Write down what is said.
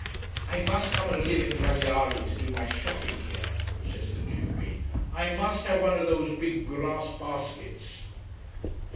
"I must come and live in Cagliari, to do my shopping here," says the q b. "I must have one of those big grass baskets."